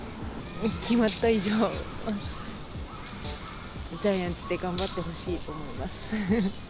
決まった以上は、ジャイアンツで頑張ってほしいと思います。